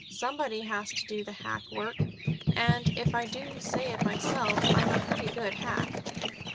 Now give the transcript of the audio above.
Somebody has to do the hack work, and, if I do say it myself, I'm a pretty good hack."